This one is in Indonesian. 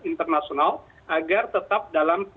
internasional agar tetap dalam